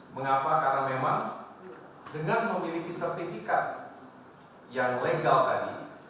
mengapa karena memang dengan memiliki sertifikat yang legal tadi